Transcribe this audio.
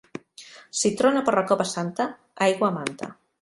Si trona per la Cova Santa, aigua a manta.